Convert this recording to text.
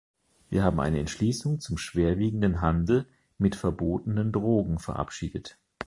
Wir haben eine Entschließung zum schwerwiegenden Handel mit verbotenen Drogen verabschiedet.